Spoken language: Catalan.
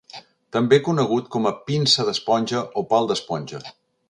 També conegut com a pinça d'esponja o pal d'esponja.